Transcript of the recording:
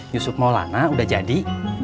yusuf maulana udah jadi